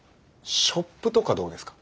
ショップとかどうですか？